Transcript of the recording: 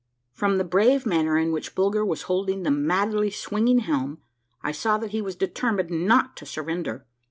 From the brave manner in which Bulger was holding the madly swinging helm, I saw that he was determined not to surrender.